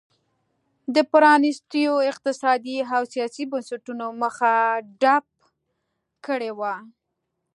د پرانیستو اقتصادي او سیاسي بنسټونو مخه ډپ کړې وه.